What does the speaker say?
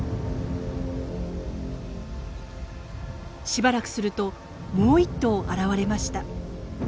しばらくするともう１頭現れました。